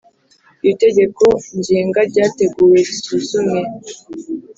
iri tegeko ngenga ryateguwe risuzumwe